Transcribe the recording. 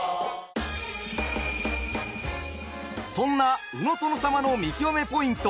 そんな「鵜の殿様」の見きわめポイント